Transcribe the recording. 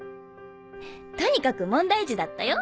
とにかく問題児だったよ。